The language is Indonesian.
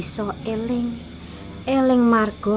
kamu yang berleton biara